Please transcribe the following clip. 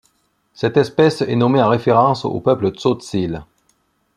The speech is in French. Cette espèce est nommée en référence au peuple Tzotzile.